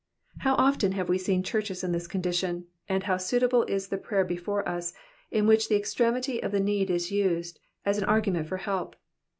How often have we seen churches in this condition, and how suitable is the prayer before us, in which the extremity of the need is used as an argument for help.